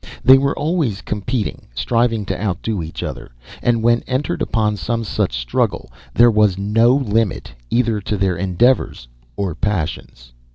They were always competing, striving to outdo each other, and when entered upon some such struggle there was no limit either to their endeavors or passions.